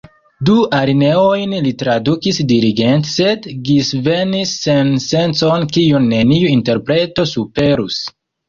Du alineojn li tradukis diligente, sed ĝisvenis sensencon kiun neniu interpreto superus.